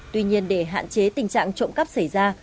tuy nhiên để hạn chế tình trạng trộm cắp xảy ra